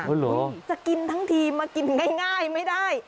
เหรอจะกินทั้งทีมากินง่ายไม่ได้